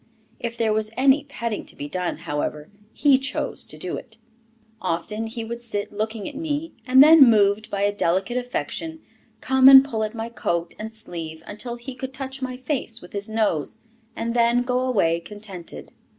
If there was any petting to be done, however, he chose to do it. Often he would sit looking at me, and then, moved by a delicate affection, come and pull at my coat and sleeve until he could touch my face with his nose, and then go away contented.